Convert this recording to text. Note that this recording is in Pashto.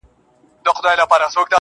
ما اورېدلي چي له مړاوو اوبو شور غورځي